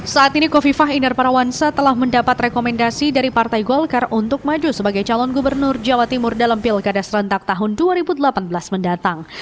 saat ini kofifah inder parawansa telah mendapat rekomendasi dari partai golkar untuk maju sebagai calon gubernur jawa timur dalam pilkada serentak tahun dua ribu delapan belas mendatang